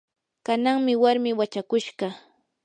kananmi warmii wachakushqa.